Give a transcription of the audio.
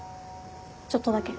ちょっとだけ。